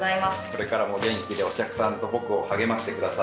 これからも元気でお客さんと僕を励ましてください。